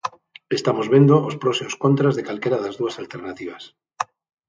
Estamos vendo os pros e os contras de calquera das dúas alternativas.